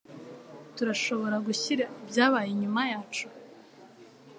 Turashobora gushyira ibyabaye inyuma yacu?